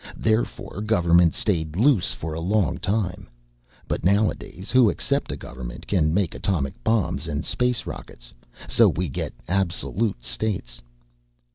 Therefore government stayed loose for a long time. But nowadays, who except a government can make atomic bombs and space rockets? So we get absolute states."